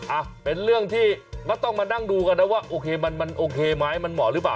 อ่ะเป็นเรื่องที่ก็ต้องมาดั่งดูกันนะว่าโอเคมะใหม่คุณหมอหรือเปล่า